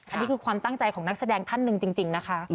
อันนี้คือความตั้งใจของนักแสดงท่านหนึ่งจริงนะคะ